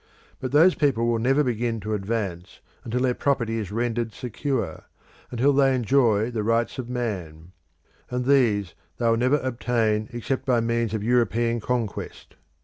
But those people will never begin to advance until their property is rendered secure, until they enjoy the rights of man; and these they will never obtain except by means of European conquest.